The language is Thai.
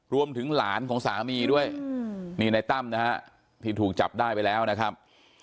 รวมถึงหลานของสามีด้วยนี่ในตั้มนะฮะที่ถูกจับได้ไปแล้วนะครับ